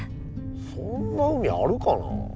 そんな海あるかな。